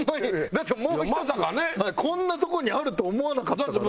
だってもう１つこんなとこにあると思わなかったから。